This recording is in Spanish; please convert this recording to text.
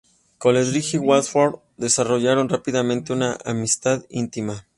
Coleridge y Wordsworth desarrollaron rápidamente una amistad íntima.